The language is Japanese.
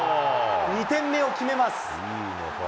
２点目を決めます。